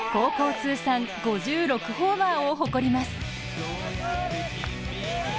通算５６ホーマーを誇ります。